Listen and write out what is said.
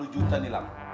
enam puluh juta nih lang